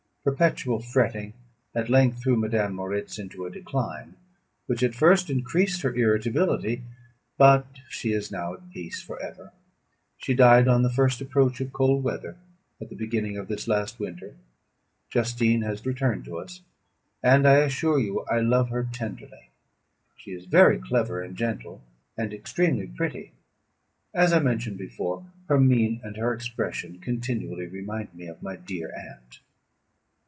Perpetual fretting at length threw Madame Moritz into a decline, which at first increased her irritability, but she is now at peace for ever. She died on the first approach of cold weather, at the beginning of this last winter. Justine has returned to us; and I assure you I love her tenderly. She is very clever and gentle, and extremely pretty; as I mentioned before, her mien and her expressions continually remind me of my dear aunt.